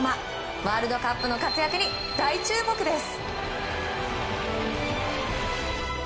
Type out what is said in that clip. ワールドカップの活躍に大注目です。